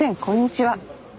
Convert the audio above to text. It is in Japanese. こんにちは。